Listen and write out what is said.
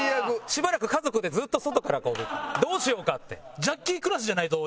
しばらく家族でずっと外からどうしようかって。